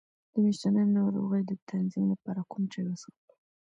د میاشتنۍ ناروغۍ د تنظیم لپاره کوم چای وڅښم؟